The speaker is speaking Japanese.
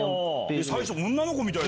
最初女の子みたい。